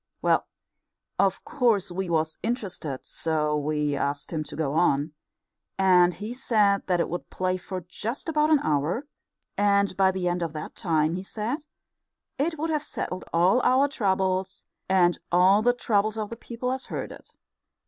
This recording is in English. Well, of course we was interested, so we asked him to go on, and he said that it would play for just about an hour, and by the end of that time, he said, it would have settled all our troubles and all the troubles of the people as heard it.